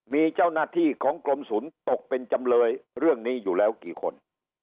มีเจ้าหน้าที่ของกรมศูนย์ตกเป็นจำเลยเรื่องนี้อยู่แล้วกี่คน